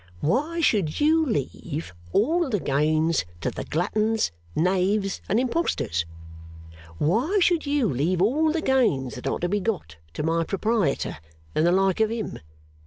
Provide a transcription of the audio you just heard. Why should you leave all the gains to the gluttons, knaves, and impostors? Why should you leave all the gains that are to be got to my proprietor and the like of him?